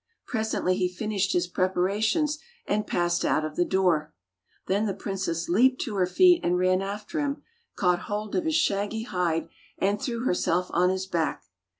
Presently he finished his preparations and passed out of the door. Then the princess leaped to her feet and ran after him, caught 131 Fairy Tale Bears hold of his shaggy hide, and threw herself on his back.